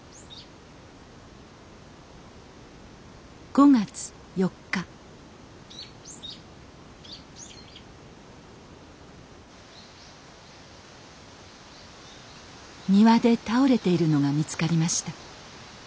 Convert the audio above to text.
５月４日庭で倒れているのが見つかりました。